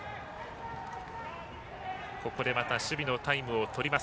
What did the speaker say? ここでまた守備のタイムをとります